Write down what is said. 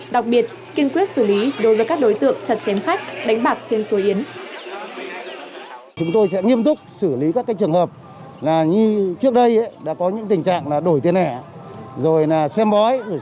đặc biệt kiên quyết xử lý đối với các đối tượng